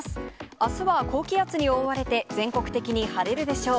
あすは高気圧に覆われて、全国的に晴れるでしょう。